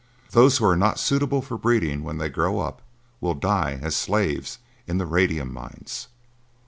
Those who are not suitable for breeding when they grow up will die as slaves in the radium mines."